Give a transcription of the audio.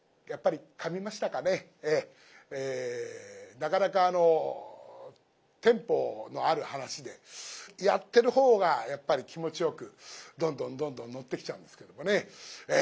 なかなかあのテンポのある噺でやってるほうがやっぱり気持ちよくどんどんどんどん乗ってきちゃうんですけどもね。